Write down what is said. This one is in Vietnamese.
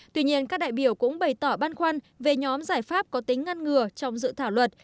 tuy nhiên các đại biểu cũng bày tỏ băn khoăn về nhóm giải pháp có tính ngăn ngừa trong dự thảo luật